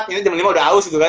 ini jam lima udah haus gitu kan